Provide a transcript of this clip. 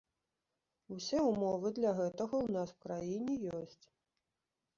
Усе ўмовы для гэтага ў нас у краіне ёсць.